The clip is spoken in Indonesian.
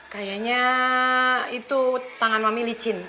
kayaknya itu tangan mami licin